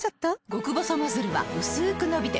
極細ノズルはうすく伸びて